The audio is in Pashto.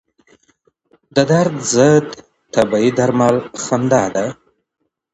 د درد ضد طبعي درمل خندا ده.